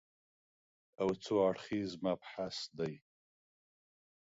او څو اړخیز مبحث دی